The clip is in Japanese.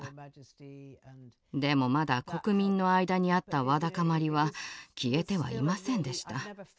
でもまだ国民の間にあったわだかまりは消えてはいませんでした。